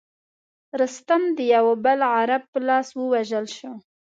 رستم د یوه بل عرب په لاس ووژل شو.